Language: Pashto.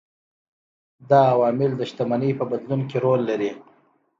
دا عوامل د شتمنۍ په بدلون کې رول لري.